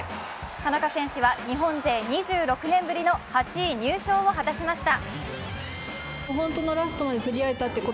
田中選手は日本勢２６年ぶりの８位入賞を果たしました。